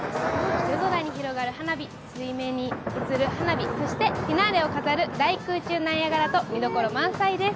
夜空に広がる花火、水面に映る花火、そして、フィナーレを飾る大空中ナイアガラと見どころ満載です。